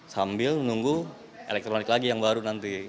sambil menunggu elektronik lagi yang baru nanti